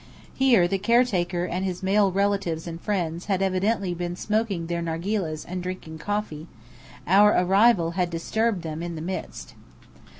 Here the caretaker and his male relatives and friends had evidently been smoking their nargilehs and drinking coffee; our arrival had disturbed them in the midst.